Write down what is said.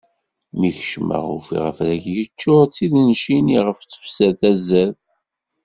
Mi kecmeɣ ufiɣ afrag yeččur d tidencin iɣef tefser tazart.